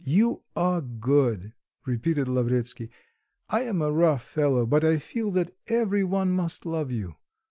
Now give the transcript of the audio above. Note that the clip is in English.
"You are good," repeated Lavretsky. "I am a rough fellow, but I feel that every one must love you.